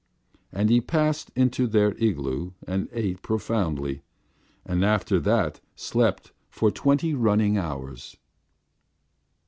And he passed into their igloo and ate profoundly, and after that slept for twenty running hours.